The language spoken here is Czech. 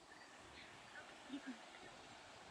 Stal se předsedou jejího parlamentního klubu.